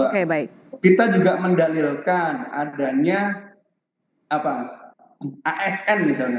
kita juga mendalilkan adanya asn misalnya